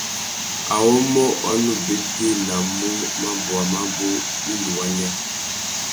Awômô wa nu bétēnamú mabôwa mabú indi wa nya.